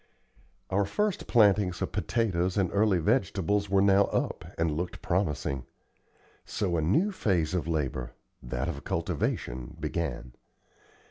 Our first plantings of potatoes and early vegetables were now up and looked promising. So a new phase of labor that of cultivation began.